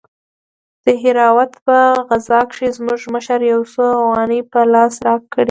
د دهراوت په غزا کښې زموږ مشر يو څو اوغانۍ په لاس راکړې وې.